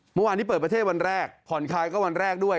เมื่อวานนี้เปิดประเทศวันแรกผ่อนคลายก็วันแรกด้วย